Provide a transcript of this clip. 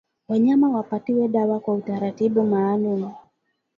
Wanyama wapatiwe dawa kwa utaratibu maalumu